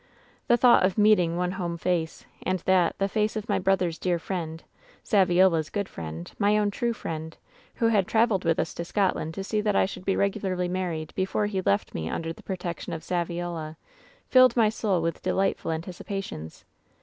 "The thought of meeting one home face — and that the face of my brother's dear friend, Saviola's good 178 WHEN SHADOWS DIE friend, my own true friend, who had traveled with na to Scotland to see that I should be regularly married before he left me under the protection of Saviola — filled my soul with delightful anticipations.